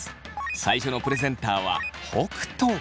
最初のプレゼンターは北斗。